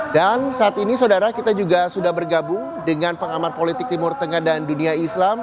dan saat ini saudara kita juga sudah bergabung dengan pengamar politik timur tengah dan dunia islam